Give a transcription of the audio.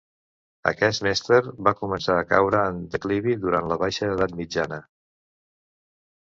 Aquest mester va començar a caure en declivi durant la Baixa Edat Mitjana.